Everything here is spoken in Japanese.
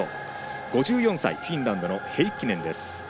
５４歳、フィンランドのヘイッキネンです。